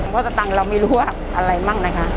เพราะตั้งเรามีรวบอะไรบ้างนะคะ